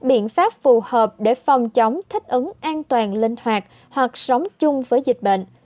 biện pháp phù hợp để phòng chống thích ứng an toàn linh hoạt hoặc sống chung với dịch bệnh